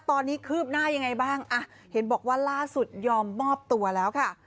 ตอนนี้คืบหน้ายังไงบ้างอ่ะเห็นบอกว่าล่าสุดยอมมอบตัวแล้วค่ะ